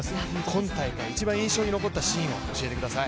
今大会一番印象に残ったシーンを教えて下さい。